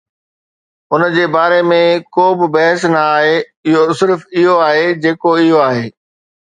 ان جي باري ۾ ڪو به بحث نه آهي، اهو صرف اهو آهي جيڪو اهو آهي.